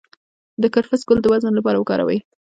د کرفس ګل د وزن لپاره وکاروئ